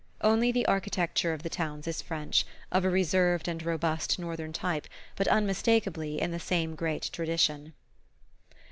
Only the architecture of the towns is French, of a reserved and robust northern type, but unmistakably in the same great tradition.